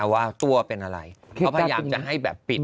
ว่าตัวเป็นอะไรก็พยายามจะให้แบบปิด